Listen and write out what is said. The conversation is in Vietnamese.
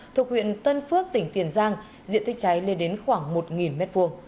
thuộc huyện tân phước tỉnh tiền giang diện tích cháy lên đến khoảng một m hai